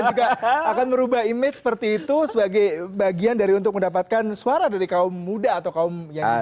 juga akan merubah image seperti itu sebagai bagian dari untuk mendapatkan suara dari kaum muda atau kaum yang